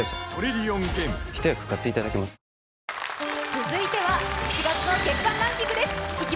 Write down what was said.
続いては７月の月間ランキングです！